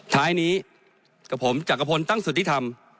ท้ายนี้กับผมจักรพลตั้งสุทธิธรรม